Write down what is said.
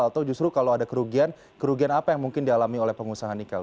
atau justru kalau ada kerugian kerugian apa yang mungkin dialami oleh pengusaha nikel